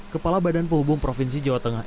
kepala badan penghubung provinsi jawa tengah